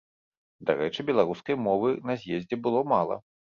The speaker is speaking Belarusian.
Дарэчы, беларускай мовы на з'ездзе было мала.